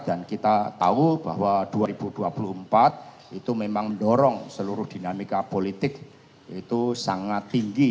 dan kita tahu bahwa dua ribu dua puluh empat itu memang mendorong seluruh dinamika politik itu sangat tinggi